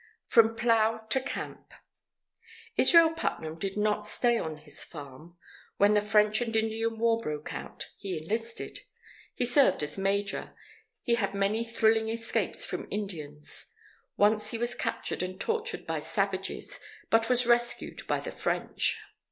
FROM PLOUGH TO CAMP Israel Putnam did not stay on his farm. When the French and Indian War broke out, he enlisted. He served as major. He had many thrilling escapes from Indians. Once he was captured and tortured by savages, but was rescued by the French.